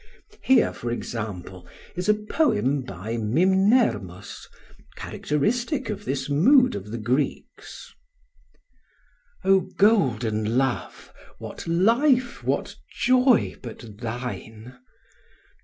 Here, for example, is a poem by Mimnermus characteristic of this mood of the Greeks: "O golden Love, what life, what joy but thine?